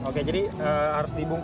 oke jadi harus dibongkar